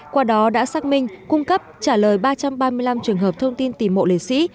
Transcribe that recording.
qua đó đã xác minh cung cấp trả lời ba trăm ba mươi năm trường hợp thông tin tìm mộ liệt sĩ